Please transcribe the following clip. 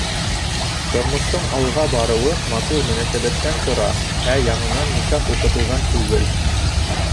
Тормоштоң алға барыуы матур мөнәсәбәттән тора, ә яңынан никах уҡытыуҙан түгел.